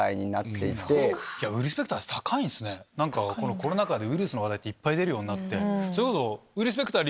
コロナ禍でウイルスの話題っていっぱい出るようになって。